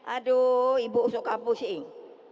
aduh ibu suka pusing